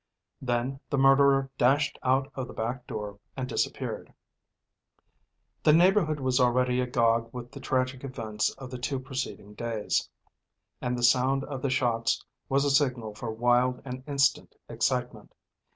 Then the murderer dashed out of the back door and disappeared. The neighborhood was already agog with the tragic events of the two preceding days, and the sound of the shots was a signal for wild and instant excitement.